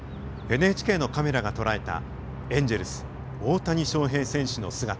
ＮＨＫのカメラが捉えたエンジェルス大谷翔平選手の姿。